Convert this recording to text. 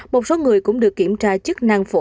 một số người cũng được kiểm tra chức năng phổ